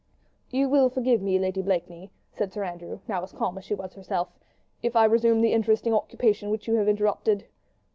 "You will forgive me, Lady Blakeney," said Sir Andrew, now as calm as she was herself, "if I resume the interesting occupation which you had interrupted?"